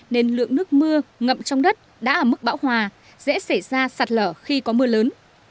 nên lượng nước mưa ngậm trong đất đã ở mức bão hòa dễ xảy ra sạt lở khi có mưa lớn